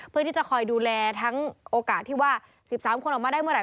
เพื่อที่จะคอยดูแลทั้งโอกาสที่ว่า๑๓คนออกมาได้เมื่อไ